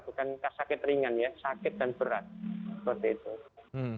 sakit dan berat bukan sakit ringan ya sakit dan berat